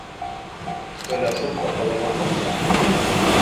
فَلا صَدَّقَ وَلا صَلّى